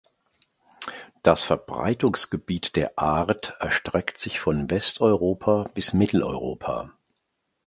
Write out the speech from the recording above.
Das Verbreitungsgebiet der Art erstreckt sich von Westeuropa bis Mitteleuropa.